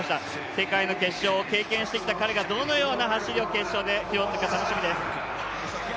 世界の決勝を経験してきた彼がどのような走りを決勝でするか楽しみです。